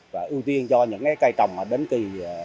và ưu tiên cho những cây trồng đến kỳ